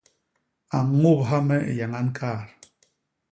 A ñôbha me i yañan kaat.